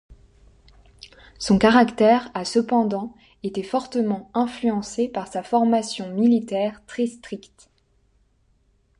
Son caractère a cependant été fortement influencé par sa formation militaire très stricte.